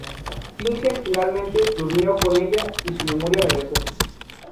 Fingen finalmente durmió con ella, y su memoria regresó.